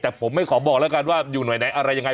แต่ผมไม่ขอบอกแล้วกันว่าอยู่ไหนอะไรยังไง